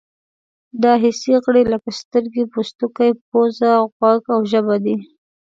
دا حسي غړي لکه سترګې، پوستکی، پزه، غوږ او ژبه دي.